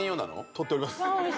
撮っております